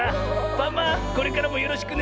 パマこれからもよろしくね。